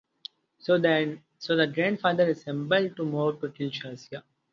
So the grandfather assembled a mob to kill Shazia.